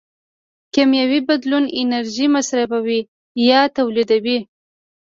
کیمیاوي بدلون انرژي مصرفوي یا تولیدوي.